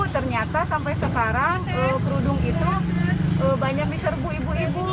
ternyata sampai sekarang kerudung itu banyak diserbu ibu ibu